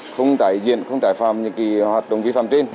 không tải diện không tái phạm những hoạt động vi phạm trên